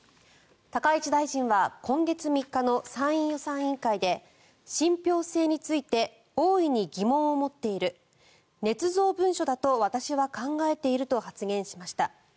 高市大臣は今月３日の参院予算委員会で信ぴょう性について大いに疑問を持っているねつ造文書だと私は考えていると発言しました。